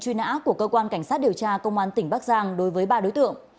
truy nã của cơ quan cảnh sát điều tra công an tỉnh bắc giang đối với ba đối tượng